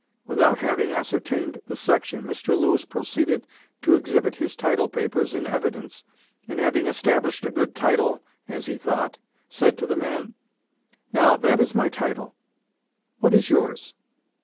Without having ascertained the section, Mr. Lewis proceeded to exhibit his title papers in evidence, and, having established a good title, as he thought, said to the man, 'Now, that is my title. What is yours?'